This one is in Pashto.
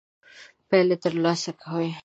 پايلې تر لاسه کوي.